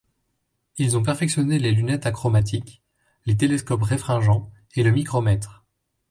Ils ont perfectionné les lunettes achromatiques, les télescopes réfringents et le micromètre.